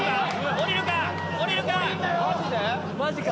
下りるか？